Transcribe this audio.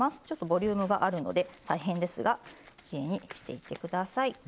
ちょっとボリュームがあるので大変ですがきれいにしていってください。